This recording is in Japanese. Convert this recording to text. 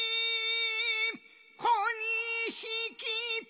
こにしき。